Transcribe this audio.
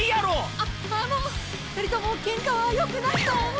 ああの２人ともケンカはよくないと思う。